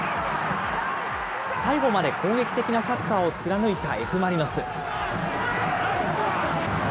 最後まで攻撃的なサッカーを貫いたＦ・マリノス。